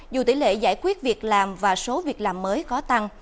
dù tỷ lệ giải quyết việc làm và số việc làm mới có tăng